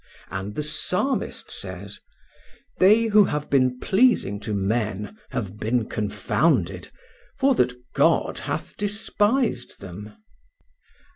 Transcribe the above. And the Psalmist says: "They who have been pleasing to men have been confounded, for that God hath despised them."